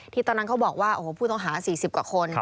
ตอนนั้นเขาบอกว่าโอ้โหผู้ต้องหา๔๐กว่าคน